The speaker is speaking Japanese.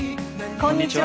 こんにちは。